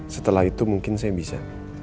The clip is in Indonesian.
setelah itu mungkin saya bisa